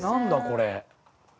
これ。